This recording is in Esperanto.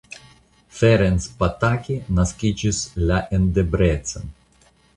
Ferenc Pataki naskiĝis la en Debrecen.